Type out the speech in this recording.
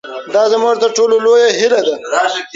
دا زموږ تر ټولو لویه هیله ده.